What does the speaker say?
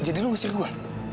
jadi lu gak siapin gue